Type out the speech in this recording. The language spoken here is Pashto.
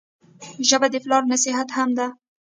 ژبه د پلار نصیحت هم دی